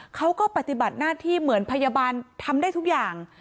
เขาก็ปฏิบัติหน้าที่เหมือนพยาบาลทำได้ทุกอย่าง